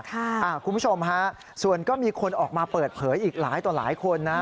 คุณผู้ชมฮะส่วนก็มีคนออกมาเปิดเผยอีกหลายต่อหลายคนนะ